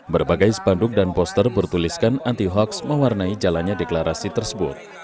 berbagai spanduk dan poster bertuliskan anti hoax mewarnai jalannya deklarasi tersebut